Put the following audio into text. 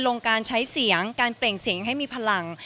ลงการใช้เสียงการเปล่งเสียงให้มีพลัง